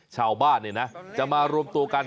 ชาวบ้านจะมารวมตัวกัน